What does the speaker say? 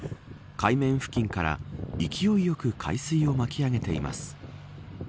海面付近から勢いよく海水を巻き上げています。